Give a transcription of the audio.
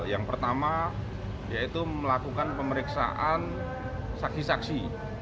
yang pertama yaitu melakukan pemeriksaan saksi saksi